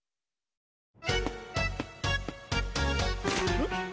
うん？